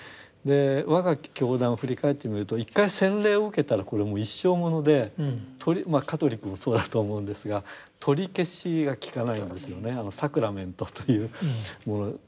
我が教団を振り返ってみると一回洗礼を受けたらこれもう一生ものでまあカトリックもそうだとは思うんですが取り消しが効かないんですよねサクラメントというもの。